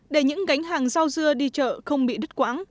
để những gánh hàng rau dưa đi chợ không bị đứt quãng